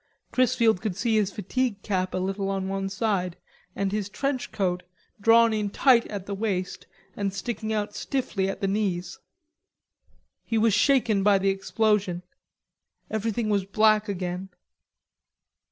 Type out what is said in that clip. Chrisfield could see his fatigue cap a little on one side and his trench coat, drawn in tight at the waist and sticking out stiffly at the knees. He was shaken by the explosion. Everything was black again.